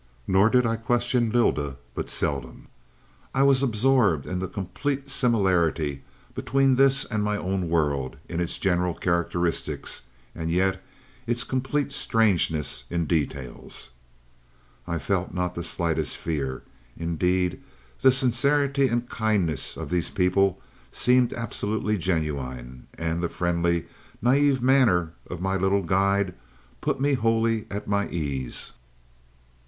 Nor did I question Lylda but seldom. I was absorbed in the complete similarity between this and my own world in its general characteristics, and yet its complete strangeness in details. "I felt not the slightest fear. Indeed the sincerity and kindliness of these people seemed absolutely genuine, and the friendly, naïve, manner of my little guide put me wholly at my ease.